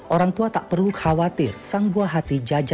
orang tua tak perlu khawatir sang buah hati jajan